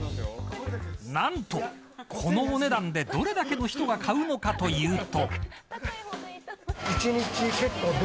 何と、このお値段でどれだけの人が買うのかというと。